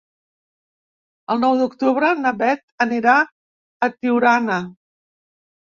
El nou d'octubre na Bet anirà a Tiurana.